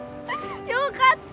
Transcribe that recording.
よかった！